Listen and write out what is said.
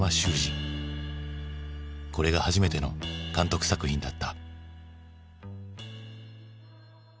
これが初めての監督作品だった。